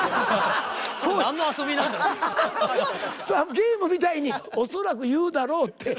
ゲームみたいに恐らく言うだろうって。